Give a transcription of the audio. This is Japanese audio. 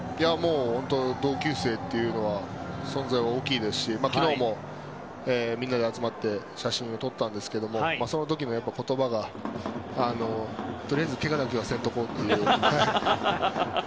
同級生という存在は大きいですし昨日もみんなで集まって写真を撮ったんですがその時の言葉がとりあえず、けがだけはせんとこうっていう。